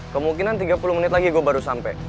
kemungkinan tiga puluh menit lagi gue baru sampai